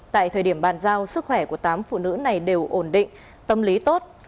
tại thời điểm bàn giao sức khỏe của tám phụ nữ này đều ổn định tâm lý tốt